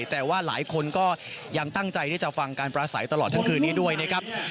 แต่ว่าหลายคนก็ยังตั้งใจที่จะฟังการปราศัยตลอดทั้งคืนนี้ด้วยนะครับ